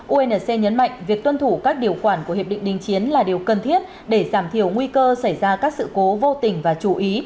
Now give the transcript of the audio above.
unc nhấn mạnh việc tuân thủ các điều khoản của hiệp định đình chiến là điều cần thiết để giảm thiểu nguy cơ xảy ra các sự cố vô tình và chú ý